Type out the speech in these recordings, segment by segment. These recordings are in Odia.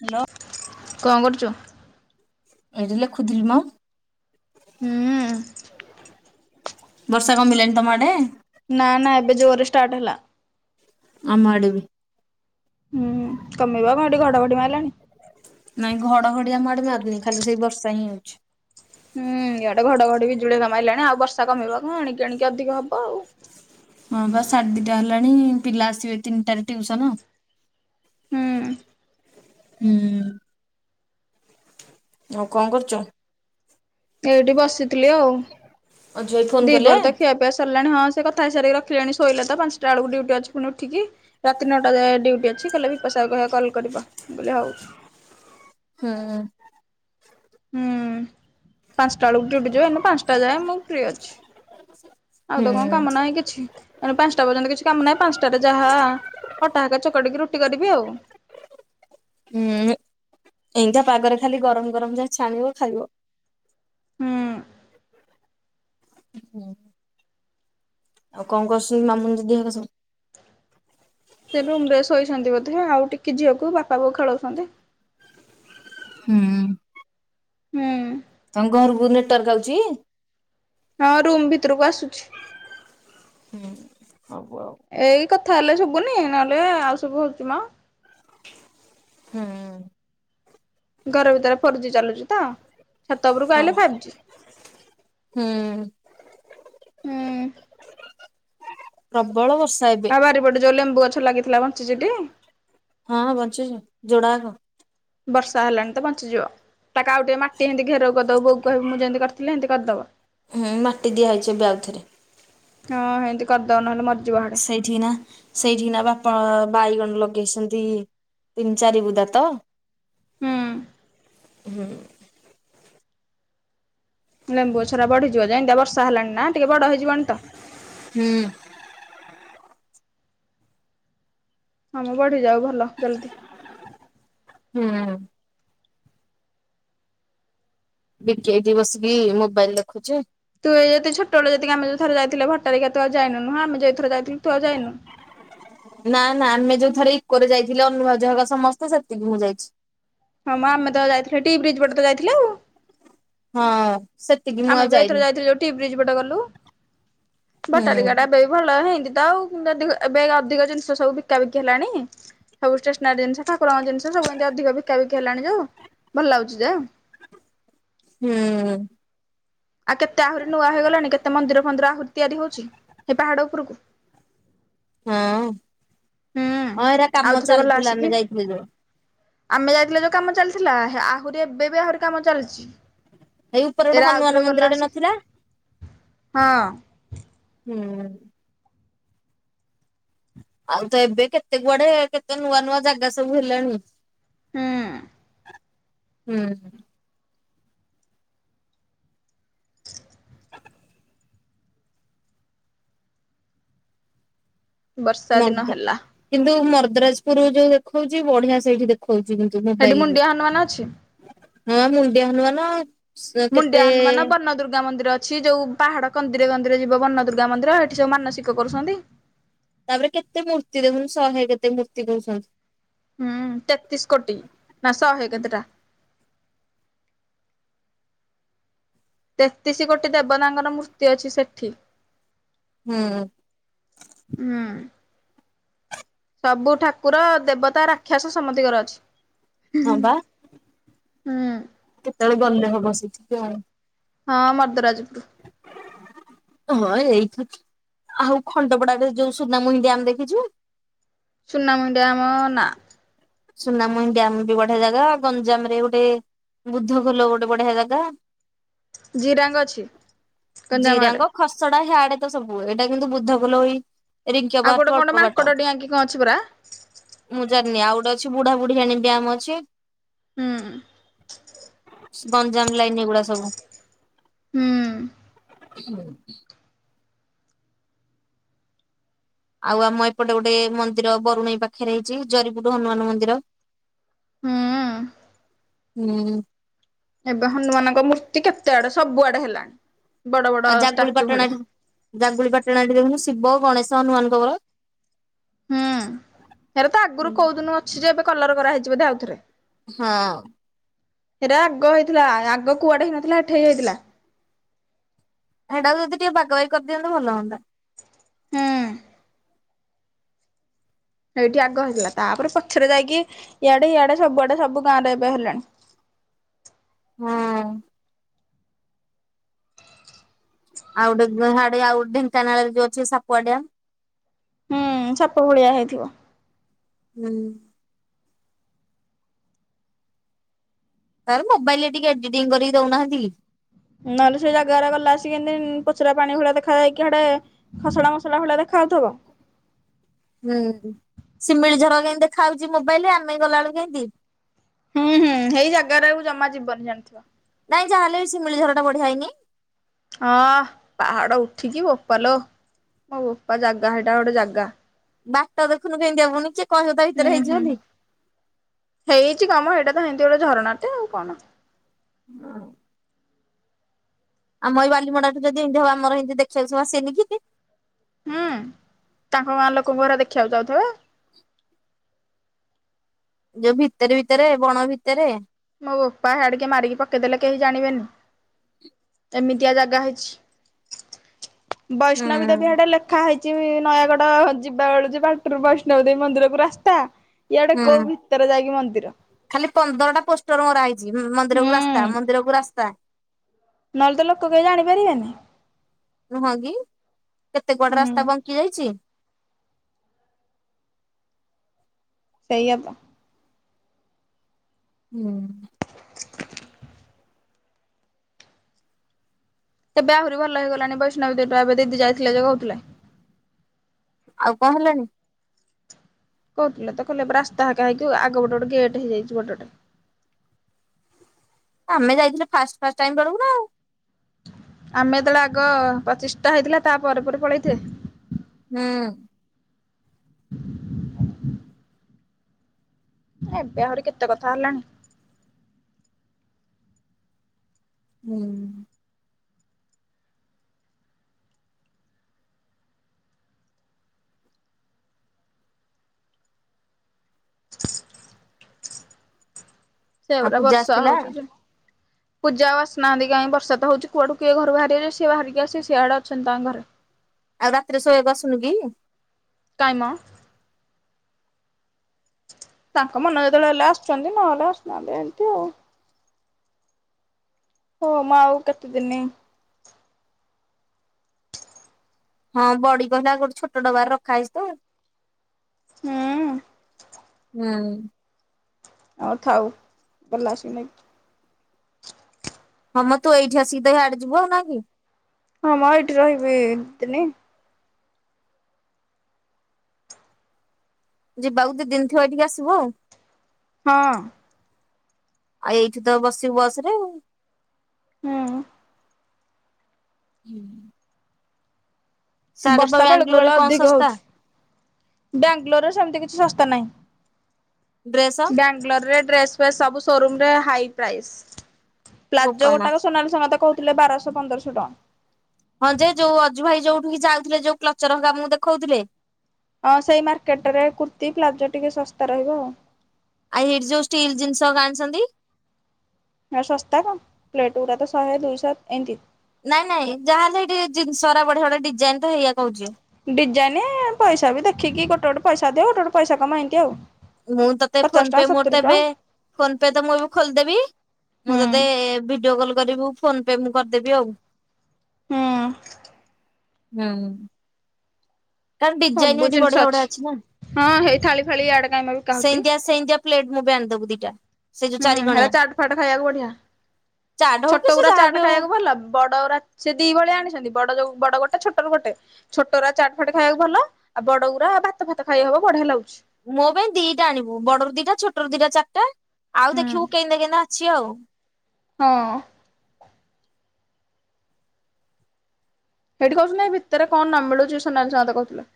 ହ୍ୟାଲୋ କଣ କରୁଛୁ? ଏଇଠି ଲେଖୁଥିଲି ମ। ହୁଁ ବର୍ଷା କମିିଲାଣି ତମ ଆଡେ? ନା ନା ଏବେ ଜୋରରେ ଷ୍ଟାର୍ଟ ହେଲା। ଆମ ଆଡ଼େ ବି। କମେଇବ କଣ ଏଠି ଘଡଘଡି ମାରିଲାଣି। ନାଇଁ ଘଡଘଡି ଆମ ଆଡେ ମାରୁୁନି ଖାଲି ସେଇ ବର୍ଷା ହିଁ ହଉଛି। ହୁଁ ଇଆଡେ ଘଡଘଡି ବିଜୁଳି ସେଟା ମାଇଲାଣି ଆଉ ବର୍ଷା କମିବ କଣ ଏଣିକି ଏଣିକି ଅଧିକ ହବ ଆଉ। ହଁ ବା ସାଢେ ଦିଟା ହେଲାଣି ପିଲା ଆସିବେ ତିନିଟାରେ ଟିଉସନ। ହୁଁ ହୁଁ। ଆଉ କଣ କରୁଛ? ଏଇଠି ବସିଥିଲି ଆଉ। ଅଜୁ ଭାଇ ଫୋନ କଲେ? ଦିପହର ତ ଖିଆ ପିଆ ସରିଲାଣି, ହଁ ସେ କଥା ହେଇ ସାରି ରଖ୍ ରଖିଲାଣି ଶୋଇଲା ତ ପାଞ୍ଚଟା ବେଳକୁ ଡ୍ୟୁଟି ଅଛି ପୁଣି ଉଠିକି ରାତି ନଟା ଯାଏଁ ଡ୍ୟୁଟି ଅଛି କଲେ ବି ପୋଷା କଲ କର ବ ମୁଁ କହିଲି ହଉ। ହୁଁ। ହୁଁ ପାଞ୍ଚଟା ବେଳକୁ ଡ୍ୟୁଟି ଯିବ ଏନା ପାଞ୍ଚଟା ଯାଏ ମୁଁ ଫ୍ରି ଅଛି। ଆଉ ତ କଣ ହୁଁ। କାମ ନାହିଁ କିଛି, ପାଞ୍ଚଟା ପର୍ଯ୍ୟନ୍ତ କିଛି କାମ ନାହିଁ ପାଞ୍ଚଟାରେ ଯାହା ଅଟା ହେକା ଚକଡିକି ରୁଟି କରିବି ଆଉ। ହୁଁ ଏମତିଆ ପାଗରେ ଖାଲି ଗରମ ଗରମ ଯାହା ଛାଣିବ ଖାଇବ। ହୁଁ। [unintelligible] ଆଉ କଣ କରୁଛନ୍ତି ମାମୁନି ଦିଦି ହରିକା ସବୁ? ସେ ରୁମ ରେ ଶୋଇଛନ୍ତି ବୋଧେ, ଆଉ ଟିକେ ଝିଅକୁ ବାପା ବୋଉ ଖେଳଉଛନ୍ତି। ହୁଁ। ହୁଁ। ତମ ଘରକୁ ନେଟୱାର୍କ ଆଉଚି? ହଁ ରୁମ୍ ଭିତରକୁ ଆସୁଛି। ହୁଁ। ହଉ ଆଉ ଏଇ କଥା ହେଲେ ଶୁଭୁନି ନହେଲେ ଆଉ ସବୁ ହଉଛି ମ। ହୁଁ। ଘର ଭିତରେ ଫୋର୍ଜି ଚାଲୁଛି ତ। ଛାତ ଉପରୁ ଓ ଆଇଲେ ଫାଇବ ଜି। ହୁଁ। ହୁଁ ପ୍ରବଳ ବର୍ଷା ଏବେ। ଆଉ ବାରିପଟେ ଯୋଉ ଲେମ୍ବୁ ଗଛ ଲାଗିଥିଲା ବଞ୍ଚିଚିଟି? ହଁ ବଞ୍ଚିଚି ଯୋଡାକ। ବର୍ଷା ହେଲାଣି ତ ବଞ୍ଚିଯିବ। ତାକୁ ଆଉ ଟିକେ ମାଟି ହାଣ୍ଡି ଘେରଉ କରିଦବୁ, ବୋଉ କହିବୁ ମୁଁ ଯେମିତି କରିଥିଲି ହେନ୍ତି କରିଦବ। ଦିଆ ହେଇଚି ଏବେ ଆଉଥରେ। ହଁ ହେନ୍ତି କରିଦବ ନହେଲେ ମ ସେଇଠି ନା ସେଇଠି ନା ବାପା ବାଇଗଣ ଲ ଗେଇଛନ୍ତି ତିନି ଚାରିିବୁଦା ତ। ହୁଁ। ହୁଁ। ଲେମ୍ବୁ ଗଛ ଟା ବଢ଼ିଯିବ ଯେନ୍ତିଆ ବର୍ଷ ସା ହେଲାଣି ନା ଟିକେ ବଡ଼ ହେଇଯିବଣି ତ। ହୁଁ ହମ ବଢିଯାଉ ଭଲ ଜଲଦି। ହୁଁ ବିକି ଏଇଠି ବସିକି ମୋବାଇଲ ଦେଖୁଛି। ତୁ ଏ ଯଦି ଛୋଟବେେଳେ ଯଦି ଆମେ ଯୋଉଥରେ ଯାଇଥିଲେ ଭଟ୍ଟାରିକା। ତୁ ଆଉ ଯାଇନୁ ନୁହଁ ଆମେ ଯଉ ଥର ଯାଇଥିଲୁ ତୁ ଆଉ ଯାଇନୁ। ନା ନା ଆମେ ଯୋଉ ଥରେ ଇକୋରେ ଯାଇଥିଲେ ଅନୁ ଭାଉଜ ହକା ସମସ୍ତେ ସେତିକି ମୁଁ ଯାଇଚି। ହଁ ମ ଆମେ ତ ଯାଇଥିଲେ ଟି ବ୍ରିଜ ପଟେ ତ ଯାଇଥିଲେ ଆଉ ହଁ ଅଂ ଆମେ ବି ଏଇଥର ଯାଇଥିଲୁ ଯୋଉ ଟି ବ୍ରିଜ ପଟେ ଗଲୁ ହୁଁ ଭଟ୍ଟାରିକା ଟା ଏବେ ବି ଭଲ ହେଇନି। ତ ଆଉତି ଏବେ ଅଧିକ ଜିନିଷ ସବୁ ବିକା ବିକି ହେଲାଣି। ସବୁ ଷ୍ଟେସନାରୀ ଜିନିଷ ଠାକୁରଙ୍କ ଜିନିଷ ସବୁ ଏମିତି ଅଧିକ ବିକା ବିକା ହେଲାଣି ଯୋଉ ଭଲ ଲାଗୁଛି ଯେ ହୁଁ। ଆଉ କେତେ ଆହୁରି ନୂଆ ହେଇଗଲାଣି କେତେ ମନ୍ଦିର ଫନ୍ଦିର ଆହୁରି ତିଆରି ହଉଛି ସେ ପାହାଡ ଉପରକୁ। ହଁ ହୁଁ ହଁ ଏରା କାମ ଆଉଥରେ ଗଲା ଚାଲିଥିଲା ଆସିକି ଆମେ ଯାଇଥିଲୁ ଯୋଉ ଆମେ ଯାଇଥିଲେ ଯୋଉ କାମ ଚାଲିଥିଲା ଆହୁରି ଏବେ ବି ଆହୁରି କାମ ଚାଲିଚି। ହେଇ ଉପର ଗୋଟେ ହନୁମାନ ମନ୍ଦିରଟେ ନଥିଲା। ହଁ ହୁଁ। ଆଉ ତ ଏବେ କେତେ କୁଆଡେ କେତେ ନୂଆ ନୂଆ ଜାଗା ସବୁ ହେଲାଣି। ହୁଁଉଁ। ହୁଁ। ବର୍ଷା ମ ଦିନ ହେଲା କିନ୍ତୁ ମଦ୍ରାଜପୁର ଯୋଉ ଦେଖଉଛି ବଢିଆ ସେଇଠି ଦେଖ କହୁଚି କିନ୍ତୁ ସେଠି ମୋବାଇଲରେ ମୁଣ୍ଡିଆ ହନୁମାନ ଅଛି ହଁ ମୁଣ୍ଡିଆ ହନୁମାନ। କେତେ ମୁଣ୍ଡିଆ ହନୁମାନ ବନଦୁର୍ଗା ମନ୍ଦୀର। ି ଅଛି ଯୋଉ ପାହାଡ କନ୍ଦିରେ କନ୍ଦିରେ ଯିବ ବନ ଦୁର୍ଗା ମନ୍ଦିର ହେଠି ସବୁ ମାନସିକ କରୁଛନ୍ତି। ତାପରେ କେତେ ମୂର୍ତ୍ତି ଦେଖୁନୁ ଶହେ କେତେ ମୂର୍ତ୍ତି କହୁସନ୍ତି। ହୁଁ ତେତିଶ କୋଟି ନା ଶହେ କେତେଟା। ତେତିଶ କୋଟି ଦେବତାଙ୍କର ମୂର୍ତ୍ତି ଅଛି ସେଠି। ହୁଁ ହୁଁ। ସବୁ ଠାକୁର ଦେବତା ରାକ୍ଷାସ ସମତିଙ୍କର ଅଛି। ହଁ ବା। ହୁଁ। କେତେବେଳେ ଗଲେହବ ସେଠିକି ଆଉ। ହଁ ମର୍ଦରାଜପୁରୁ। ହଁ ଏଇଠୁ ଆଉ ଖଣ୍ଡପଡାଠେ ଯୋଉ ସୁନା ମୁହିଁ ଡ୍ୟାମ ଦେଖିଚୁ। ସୁନା ମୁଁହିଁ ଡ୍ୟ। ମ ନା। ସୁନାମୁହିଁ ଡ୍ୟାମ ବି ବଢିଆ ଜାଗା ଗଞ୍ଜାମ ରେ ଗୋଟେ ବୁଦ୍ଧ ଖୋଲ ଗୋଟେ ବଢିଆ ଜାଗା। ଜିରାଙ୍ଗ ଅଛି ଗଞ୍ଜାମ ଆଡେ। ହେଟା ହାଡେ ତ ସବୁ ଏଇଟା କିନ୍ତୁ ବୁଦ୍ଧ ଖୁଲା ଏଇ ରିଙ୍କି ଆଉ ଗୋଟେ ଅପାଠୁ କଣ ଅଳ୍ପ ବାଟ ମାଙ୍କଡ ଡିଆଁ କି କଣ ଅଛି ପରା। ମୁଁ ଜାିନି ଆଉ ଛି ବୁଢାବୁଢୀଆଣି ଡ୍ୟାମ ଅଛି। ହୁଁ। ଗଞ୍ଜାମ ଲାଇନ ଏଗୁଡା ସବୁ। ହୁଁ। [unintelligible] ଆଉ ଆମ ଏପଟେ ଗୋଟେ ମନ୍ଦିର ବରୁଣେଇ ପାଖରେ ହେଇଛି ଜରିପୁୁର ହନୁମାନ ମନ୍ଦିର। ହୁଁ ଉଁ ଉଁ। ହୁଁ। ଏବେ ହନୁମାନଙ୍କ ମୂର୍ତ୍ତି କେତେ ଆଡେ ସବୁଆଡେ ହେଲାଣି। ବଡ ବଡ ଆଉ ଷ୍ଟାଚୁ ଜାଗୁଳିପାଟଣା ଭଳିଆ ଜାଗୁଳିପାଟଣା ଦେଖୁନୁ ଶିବ ଗଣେଶ ହନୁମାନଙ୍କଙ୍କର ହୁଁ ହେରେ ତ ଆଗରୁ କୋଉ ଦିନ ଅଛି ଯେ ଏବେ କଲର କରାହଇଛି ବୋଧେ ଆଉ ଥରେ। ହଁ। ହେରା ଆଗ ହେଇଥିଲା ଆଗ କୁଆଡେ ହେଇନଥିଲା ଏଠେଇ ହେଇଥିଲା। ହେଟାକୁ ଯଦି ଟିକେ ବାଗବାଗି କରିଦିଅନ୍ତେ ଟିକେ ଭଲ ହୁଅନ୍ତା। ହୁଁ। ଏଇଠି ଆଗ ହେଇଥିଲା ହେଇଟି ହେଇଟୀ ଅଗହେଇଥିଲ ତାପରେ ପଛରେ ଯାଇକି ଇଆଡେ ଇଆଡେ ସବୁଆଡେ ସବୁ ଗାଁ ରେ ଏବେ ହେଲାଣି। ହଁ। ଆଉ ଗୋଟେ ଆଉ ଢେଙ୍କାନାଳରେ ଯୋଉ ଅଛି ସାପୁଆଡିଆ। ହୁଁ ସାପ ଭଳିଆ ହେଇଥିବ। ହୁଁ। ତାପରେ ମୋବାଇଲରେ ଟିକେ ଏଡିଟିଂ କରିକି ଦୋଉନାହାନ୍ତି କି? ନହେଲେ ସେ ଜାଗାରା ଗଲା ଆସି କେନ୍ତି ପଚରା ପାଣି ଭଳିଆ ଦେଖା ଯାଇକି ହାଡେ ଖସଡ଼ା ମସଲା ଭଳିଆ ଦେଖା ଦେଖା ହୋଉଥିବ। ହୁଁ ଶିମିଳି ଝର କେନ୍ତି ଦେଖା ହୋଉଚି ମୋବାଇଲରେ ଆମେ ଗଲାବେଳୁକୁ କେନ୍ତି ହୁଁ ହୁଁ ହେଇ ଜାଗାରାକୁ ଜମା ଯିବନି ଜାଣିଥିବ। ନାଇଁ ଯାହା ହେଲେ ବି ଶୀମିଳୀ ମିଳିଝର ଟା ବଢିଆ ହେଇନି? ହଁ ପାହାଡ ଉଠିିକି ବୋପାଲୋ। ମୋ ବୋପା ଯାଗା ହେଟା ଗୋଟେ ଯାଗା। ବାଟ ଦେଖୁନୁ କେନ୍ତିଆ ପୁଣି କି ହୁଁ ହୁଁ ହେଇଛି କାମ ଏଇଟା ନା ଏତି ଗୋଟେ ଝରଣାଟେ ଆଉ କଣ। ହଁ। ଆମ ଏଇ ବାଲିମଣ୍ଡାଠୁ ଯଦି ଇନ୍ତି ହବ ଆମରହିନ୍ତି ସବୁ ଦେଖିବାକୁ ଆସିବେନି କି ହିଁ? ହୁଁ ତାଙ୍କ ଗାଁ ଲୋକଙ୍କୁ ପରା ଦେଖିବାକୁ ଯାଉଥୁବେ ଯୋଉ ଭିତରେ ଭିତରେ ବଣ ଭିତରେ ମୋ ବୋପା ହ୍ୟାଡେ ମାଡି କି ପକେଇଦେଲେ କେହି ଜାଣିବେନି। ଏମିତିଆ ଜାଗା ହେଇଚି ହୁଁ ବୈଷ୍ଣବୀ ଦେବୀ ହ୍ୟାଡେ ଲେଖା ହେଇ ଚି ନୟାଗଡ ଯିବା ବେଳୁ ଯେ ବାଟରୁ ବୈଷ୍ଣବ ଦେବୀ ମନ୍ଦିରକୁ ରାସ୍ତା। ଇଆଡେ ହୁଁ। କୋଉ ଭିତରେ ଯାଇକି ମନ୍ଦିର। ତା ପୋଷ୍ଟର ମରା ହେଇଚି ମନ୍ଦିରକୁ ହୁଁ ରାସ୍ତା ମନ୍ଦିରକୁ ରାସ୍ତା। ନହେଲେ ତ ଲୋକ କେହି ଜାଣି ପାରିବେନି। ନୁହଁ କି କେତେ କୁଆଡେ ହୁଁ ରାସ୍ତା ବଙ୍କି ଯାଇଛି। ସେଇଆ ତ୍ ହୁଁ। ଏବେ ଆହୁରି ଭଲ ହେଇଗଲାଣି ବୈଷ୍ଣବୀ ଦେବୀ ଟା ଏବେ ଦିଦି ଯାଇଥିଲେ ଯେ କୋହୁଥିଲେ। ଆଉ କଣ ହେଲାଣି? କୋହୁଥିଲା ତ କହିଲେ ଏବେ ରାସ୍ତା ହେଇକା ହେଇକି ଆଗ ଗୋଟେ ଗୋଟେ ଗେଟ ହେଇଯାଇଛି ବଡ଼ ଟେ। ଆମେ ଯାଇଥିଲୁ ଫାଷ୍ଟ ଫାଷ୍ଟ ଟାଇମ୍ ବେଳକୁୁ ନା ଆଉ। ଆମେ ଯେତେବେଳେ ଆଗ ପଚିଷ୍ଟା ହେଇଥିଲା ତା ପରେରେ ପରେ ପଳେଇଥେ ହୁଁ। [inaudible] ଏବେ ଆହୁରି କେତେ କଥା ହେଲାଣି। ହୁଁ। ଆଉ ସେଉରା ପୂଜା ବର୍ଷା ଆସିଥିଲା ହୋଉଚି ଯେ ପୂଜା ଆଉ ଆସୁନାହାନ୍ତି କାଇଁ ବର୍ଷା ତ ହୋଉଚି କୁଆଡୁ କିଏ ଘରୁ ବାହାରି ଯେ ସିଏ ବାହାରିକି ଆସିବେ ସେ ସିଆଡେ ଅଛନ୍ତି ତାଙ୍କ ଘରେ। ଆଉ ରାତିରେ ଶୋଇବାକୁ ଆସୁନି କି? କାଇଁ ମ ତାଙ୍କ ମନ ଯେତେବେଳେ ହେଲେ ଆସୁଚନ୍ତି ନହେଲେ ଆସୁ ନାହାନ୍ତି ଏମିତି ଆଉ। ହମ୍ ଆଉ କେତେ ଦିନ? ହଁ ବଡି କହିଲା ଗୋଟେ ଛୋଟ ଡବାରେ ରଖା ହେଇଛି ତ। ହୁଁ। ହୁଁ। ଆଉ ଥାଉ ଗଲା ସେ ନେଇକି। ହଁମ ତୁ ଏଇଠି ଆସି ତ ଇଆଡେ ଯିବୁ ଆଉ ନା କି? ହମ୍ ଏଇଠି ରହିବି ଏତେ ଦିନ। ଯିବାକୁ ଦି ଦିନ ଥିବ ଏଠିକି ଆସିବୁ ଆଉ। ହଁ। ଆଉ ଏଇଠି ତ ବସିବୁ ବସ ରେ ଆଉ। ହୁଁ। ହୁଁ ବର୍ଷା ବେଳକୁ ବେଳ କଣ ଅଧିକ ଶସ୍ତା ହଉଛି ବାଙ୍ଗାଲୋରରେ ସେମିତି କି ଶସ୍ତା ନାହିଁ, ଡ୍ରେସ ବାଙ୍ଗଲୋର ରେ ଡ୍ରେସ ଫ୍ରେସ୍ ସବୁ ସୋରୁମ ରେ ହାଇ ପ୍ରାଇସ, ପ୍ଲାଜୋ ବୋପା ମା ଗୋଟାକ ସୋନାଲିଶା ମତେ କହୁଥିଲେ ବାରଶହ ପନ୍ଦରଶହ। ଟଙ୍କା। ହଁ ଯେ ଯୋଉ ଅଜୁ ଭାଇ ଯୋଉଠିକି ଯାଉଥିଲେ ଯୋଉ କ୍ଲଚର ହକା ଆମକୁ ଦେଖଉଥିଲେ। ହଁ ସେଇ ମାର୍କେଟ ରେ କୁର୍ତ୍ତି ପ୍ଲାଜୋ ଟିକେ ଶସ୍ତା ରହିବ ଆଉ। ଆଉ ଏଇଠି ଯୋଉ ଷ୍ଟିଲ୍ ଜିନିଷ ହକା ଆଣିଛନ୍ତି? ସସ୍ତା କଣ୍ ପ୍ଲେଟ ଗୁରା ତ ଶହେ ଦୁଇଶହ ଏନ୍ତି। ନାଇଁ ନାଇଁ ଯାହା ହେଲେ ସେଇଠି ଜିନିଷ ଗୁରା ବଢିଆ ବଢିଆ ଡିଜାଇନ ତ ହେଇଆ କହୁଛି। ଡିଜାଇନ ପଇସା ବି ଦେଖିକି ଗୋଟେ ଗୋଟେ ପଇସା ଅଧିକ ଗୋଟେ ଗୋଟେ ପଇସା କମ ଏମତି ଆଉ। ମୁଁ ତତେ ପଚାଶ ଫୋନ ପେ ଟଙ୍କା ମୋର ସତୁରି ତ ଟଙ୍କା ଏବେ ଫୋନ ପେ ତ ମୁଁ ଏବେ ଖୋଲିଦେବି। ମୁଁ ହୁଁ ତୋତେ ଭିଡିଓ କଲ୍ କରିବୁ, ଫୋନ ପେ ମୁଁ କରିଦେବି ଆଉ। ହଁ। ହୁଁ। କାରଣ ସବୁ ଡିଜାଇନ ଏଠି ଜିନିଷ ବଢିଆ ବଢିଆ ଅଛି ନା, ହଁ ହେଇ ଥାଳି ଫାଳି ଇଆଡେ କାଇଁ ମ ବିକା ହଉଛି ସେମତିଆ ସେମତିଆ ପ୍ଲେଟ୍ ମୋ ପାଈଁ ଆଣି ଦବୁ ଦିଟା। ସେ ଯୋଉ ହୁଁ, ଚାରି ହେଟା କଣିଆ ଚାଟ୍ ଫାଟ ଖାଇବାକୁ ବଢିଆ। ଚାଟ ହଉ କି ଛୋଟ ସେ ଗୁରା ଯାହାବି ଚାଟ ହଉ ଖାଇବାକୁ ଭଲ, ବଡ ଗୁରା ସେ ଦି ଭଳିଆ ଆଣିଛନ୍ତି। ବଡ ଯୋଉ ବଡ ଗୋଟେ ଛୋଟରୁ ଗୋଟେ, ଛୋଟ ଗୋରା ଚାଟ ଫାଟ ଖାଇବାକୁ ଭଲ, ଆଉ ବଡ ଗୁୁରା ଭାତ ଫାତ ଖାଇ ହବ ବଢିଆ ଲାଗୁ ମୋ ପାଇଁ ଦିଟା ଆଣିବୁ, ବଡରୁ ଦିଟା ଛୋଟରୁ ଦିଟା ଚାରିଟା ଆଉ ହୁଁ ଦେଖିବୁ କେନ୍ତିଆ କେନ୍ତିଆ ଅଛି ଆଉ। ହଁ। ସେଇଠି କହୁଚନ୍ତି ନା ଏ ଭିତରେ କଣ ନ ମିଳୁଛି ସୋନାଲିଶା ମତେ କହୁଥିଲେ।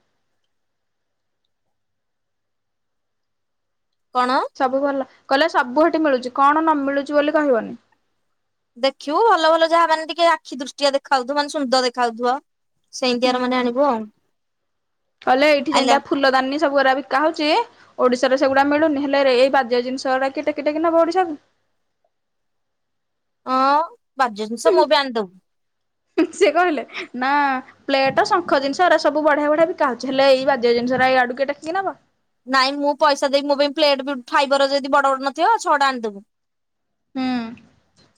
କଣ ସବୁ ଭଲ, କହିଲେ ସବୁ ସେଠି ମିଳୁଛି କଣ ନ ମିଳୁଛି ବୋଲି କହିବନି। ଦେଖିବୁ ଭଲ ଭଲ ଯାହା ମାନେ ଟିକେ ଆଖି ଦୃଷ୍ଟିଆ ଦେଖା ହଉଥିବ ମାନେ ସୁନ୍ଦର ଦେଖା ହଉଥିବ। ହୁଁ, କହିଲେ ଏଇଠି ଆଇଲା ଯେମତି ଫୁଲ ଦାନୀ ସବୁଗୁରା ବିକା ହଉଛି ଓଡିଶାରେ ସେଗୁଡା ମିଳୁନି ହେଲେ ରେ ଏଇ ବାଜ୍ୟ ଜିନିଷ ଗୁରା କିଏ ଟେକି ଟେକି ନବ ଓଡିଶାକୁ? ଅନ୍ ହୁଁ ହିଁ ସେ କହିଲେ ନା ପ୍ଲେଟ, ଶଙ୍ଖ ଜିନିଷ ଏଗୁରା ସବୁ ବଢିଆ ବଢିଆ ବିକା ହଉଛି, ହେଲେ ଏଇ ବାଜ୍ୟ ଜିନିଷ ଗୁରା ୟାଡୁ କିଏ ଟେକିକି ନବ? ନାଇଁ ମୁଁ ପଇସା ଦେବି ମୋ ପାଇଁ ପ୍ଲେଟ ବି ଫାଇବରର ଯଦି ବଡ ବଡ ନଥିବ ଛଅଟା ଆଣିଦବୁ। ହୁଁ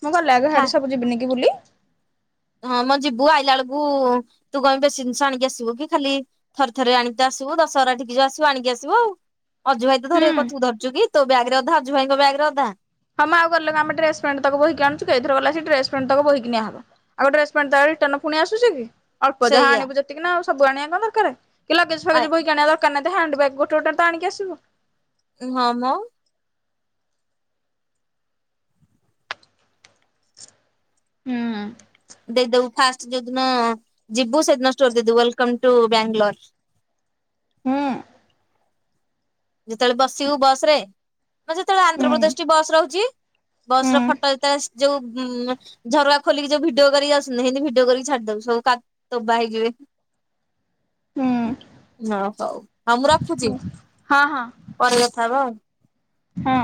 ମୁଁ ଗଲେ ଆଗେ ଫା ହାଡି ସବୁ ଯିବିନି କି ବୁଲି। ହଁ ମଁ ଯିବୁ ଆଇଲା ବେଳକୁ ତୁ କଣ୍ ବେଶୀ ଜିନିଷ ଆଣିକି ଆସିବୁ କି ଖାଲି ଥରେ ଥରେ ଆଣିକି ତ ଆସ ଆସୁ ଦଶହରା ଟିକି ଯୋଉ ଆସିବୁ ଆଣିକି ଆସିବୁ ଆଉ। ଅଜୁ ଭାଇ ତ ଧରେ ହୁଁ। କଣ ତୁ ଧରଛୁ କି, ତୋ ବ୍ୟାଗରେ ଅଧା ଅଜୁ ଭାଇଙ୍କ ବ୍ୟାଗରେ ଅଧା। ହମ୍ ଆଉ ଗଲେ କଣ ଆମେ ଡ୍ରେସ ପ୍ୟାଣ୍ଟ ତକ ବୋହିକି ଆଣିଛୁ କି, ଏଥର ଗଲେ ସେଇ ଡ୍ରେସ ପ୍ୟାଣ୍ଟ ତକ ବୋହିକି ନିଆ ହବ୍। ଆଉ ଡ୍ରେସ ପ୍ୟାଣ୍ଟ ରିଟର୍ନ ପୁଣି ଆସୁଛି କି? ଅଳ୍ପ ଯାହା ସେଇଆ ଆଣୁ ଯେତିକି ନା ଆଉ ସବୁ ଆଣିବା କଣ ଦରକାର, କି ଲଗେଜ ଆ ଫଗେଜ ବୋହିକି ଆଣିବା ଦରକାର ନାହିଁ। ହ୍ୟାଣ୍ଡ ବ୍ୟାଗ ଗୋଟେ, ଗୋଟେ ତ ଆଣିକି ଆସିବୁ। ହମ। ହୁଁ। ଦେଇଦବୁ, ଫାଷ୍ଟ ଯଉଦିନ ଯିବୁ ସେଦିନ ଷ୍ଟୋରି ଦେଇଦବୁ, ୱେଲକମ୍ ଟୁ ବାଙ୍ଗଲୋର। [inaudible] ହଁ। ଯେତେବେଳେ ବସିବୁ ବସ ରେ ମୁଁ ଯେତେବେଳେ ହୁଁ ଆନ୍ଧ୍ରପ୍ରଦେଶ ଟି ବସ୍ ରହୁଛି, ବସ ହୁଁ ର ଫଟୋ ଯେତେବେଳେ, ଯୋଉ ଉ ଝରୁଆ ଖୋଲିକି ଯୋଉ ଭିଡିଓ କରିକି ଆସୁନି, ଏମିତି ଭିଡିଓ କରିକି ଛାଡି ଦବୁ ସବୁ କା ହଁ ହୁଁ ହଉ। ହଉ ମୁଁ ରଖୁଛି। ହଁ ହଁ ପରେ କଥା ହେବା ଆଉ। ହଁ।